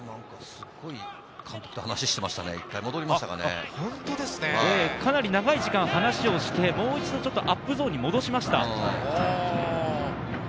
すごい監督と話をしていかなり長い時間、話をして、もう一度アップゾーンに戻しました。